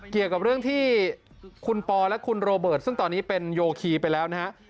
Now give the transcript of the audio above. เกี่ยวกับเรื่องที่คุณปอและคุณโรเบิร์ตซึ่งตอนนี้เป็นโยคีไปแล้วนะฮะ